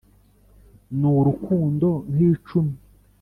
n’urukundo nk’icumi